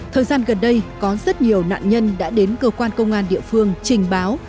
thời gian gần đây có rất nhiều nạn nhân đã đến cơ quan công an địa phương trình báo